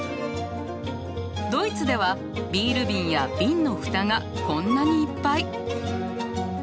ドイツではビール瓶や瓶の蓋がこんなにいっぱい！